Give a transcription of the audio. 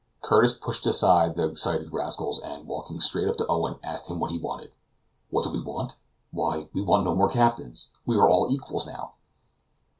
Curtis pushed aside the excited rascals, and, walking straight up to Owen, asked him what he wanted. "What do we want? Why, we want no more captains; we are all equals now."